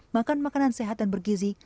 makan makanan sehat dan bergizi